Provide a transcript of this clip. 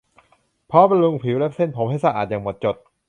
พร้อมบำรุงผิวและเส้นผมให้สะอาดอย่างหมดจด